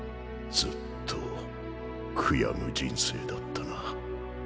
ずっと悔やむ人生だったな。